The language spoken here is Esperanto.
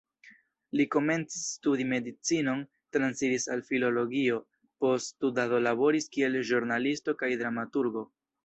Li komencis studi medicinon, transiris al filologio, post studado laboris kiel ĵurnalisto kaj dramaturgo.